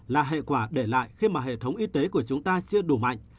là hệ quả để lại khi mà hệ thống y tế của chúng ta chưa đủ mạnh